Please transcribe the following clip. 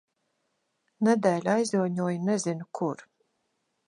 Nedēļa aizjoņoja nezinu, kur.